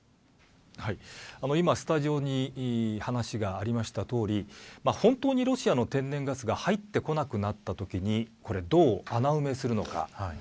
今、スタジオに話がありましたとおり本当にロシアの天然ガスが入ってこなくなったときにどう穴埋めするのか。